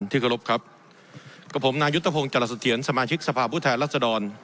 ที่ขอรบครับกับผมนายุตภพงศ์จรสเตียนสมาชิกสภาพภูมิแทนรัฐสดร